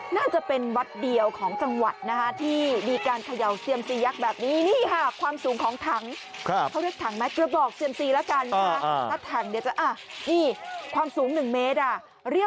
น่าจะเป็นวัดเดียวของจังหวัดที่มีการเขย่าเสียมซียักษ์แบบนี้